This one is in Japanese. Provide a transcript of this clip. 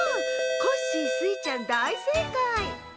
コッシースイちゃんだいせいかい！